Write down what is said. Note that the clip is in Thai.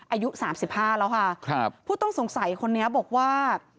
อายุ๓๕แล้วค่ะผู้ต้องสงสัยคนนี้บอกว่า